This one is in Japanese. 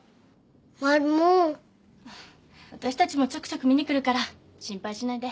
わたしたちもちょくちょく見に来るから心配しないで。